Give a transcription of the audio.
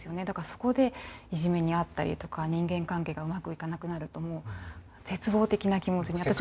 だからそこでいじめに遭ったりとか人間関係がうまくいかなくなるともう絶望的な気持ちに。